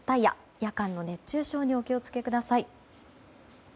夜間の熱中症にお気をつけください。